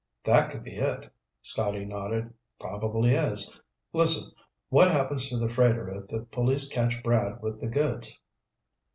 "That could be it," Scotty nodded. "Probably is. Listen, what happens to the freighter if the police catch Brad with the goods?"